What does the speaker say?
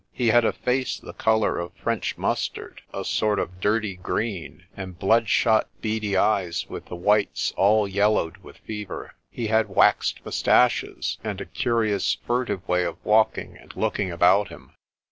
He had a face the colour of French mustard a sort of dirty green and bloodshot, beady eyes with the whites all yel lowed with fever. He had waxed moustaches, and a curi ous, furtive way of walking and looking about him.